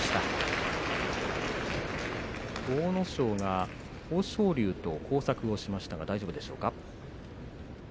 阿武咲が豊昇龍と交錯をしましたが大丈夫でしょうか。